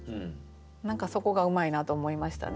何かそこがうまいなと思いましたね。